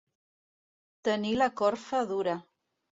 Tenir la corfa dura.